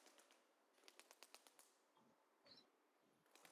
বুঝলেন আমরা নিরাপদে থাকতে চাই।